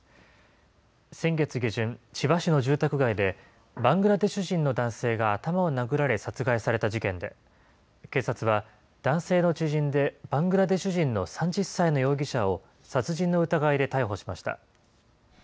先月下旬、千葉市の住宅街で、バングラデシュ人の男性が頭を殴られ殺害された事件で、警察は男性の知人で、バングラデシュ人の３０歳の容疑者を殺人の疑いで逮捕しました。